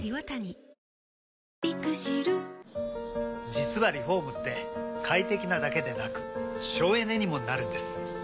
実はリフォームって快適なだけでなく省エネにもなるんです。